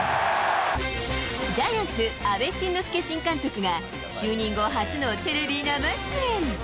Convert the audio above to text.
ジャイアンツ、阿部慎之助新監督が、就任後、初のテレビ生出演。